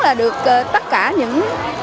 là được tất cả những